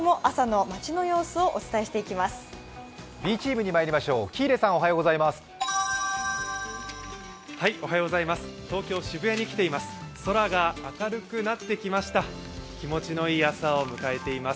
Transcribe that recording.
Ｂチームにまいります喜入さん、おはようございます。